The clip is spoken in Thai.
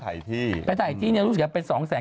ไปไถที่ไปไถที่เนี่ยรู้สึกว่าเป็น๒แสน